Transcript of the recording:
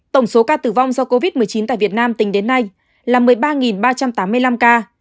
tổng số ca tử vong do covid một mươi chín tại việt nam tính đến nay là một mươi ba ba trăm tám mươi năm ca